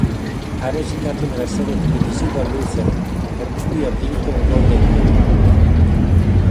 Ha recitato nella serie televisiva "Luther" per cui ha vinto un Golden Globe.